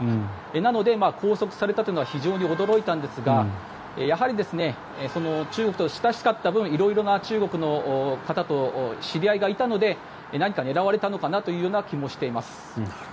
なので、拘束されたというのは非常に驚いたんですがやはり中国と親しかった分色々な中国の方と知り合いがいたので何か狙われたのかなという気もしています。